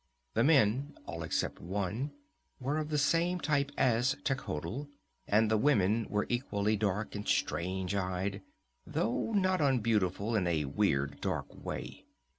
The men, all except one, were of the same type as Techotl, and the women were equally dark and strange eyed, though not unbeautiful in a weird dark way.